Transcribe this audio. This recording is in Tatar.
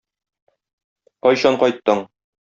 Кайчан кайттың?